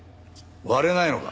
割れないのか？